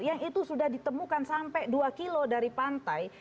yang itu sudah ditemukan sampai dua kilo dari pantai